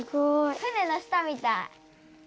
船の下みたい。